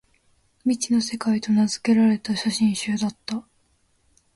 「未知の世界」と名づけられた写真集だった